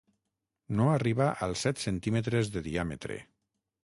No arriba als set centímetres de diàmetre.